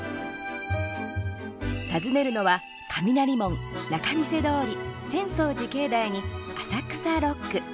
訪ねるのは雷門、仲見世通り浅草寺境内に浅草六区。